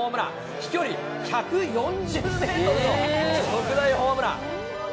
飛距離１４０メートルの特大ホームラン。